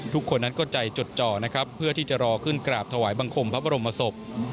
ทุกคนนั้นก็ใจจดจ่อนะครับเพื่อที่จะรอขึ้นกราบถวายบังคมพระบรมศพ